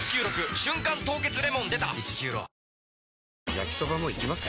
焼きソバもいきます？